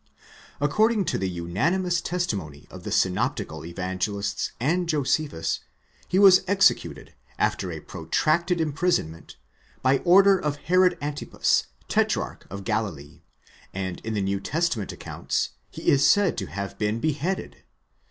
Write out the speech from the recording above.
According to the unanimous testimony of the synoptical Evangelists and Josephus,! he was. executed, after a protracted imprisonment, by order of Herod Antipas, tetrarch of Galilee; and in the New Testament accounts he is said to have been beheaded.